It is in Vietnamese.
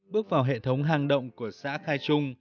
bước vào hệ thống hang động của xã khai trung